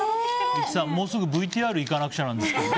もうすぐＶＴＲいかなくちゃなんですけど。